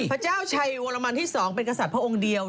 พระเจ้าชัยวรมันที่๒เป็นกษัตริย์พระองค์เดียว